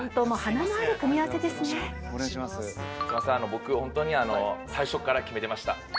僕本当に最初から決めてました。